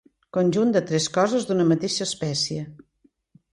Conjunt de tres coses d'una mateixa espècie.